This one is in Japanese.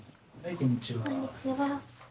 こんにちは。